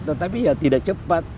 tetapi ya tidak cepat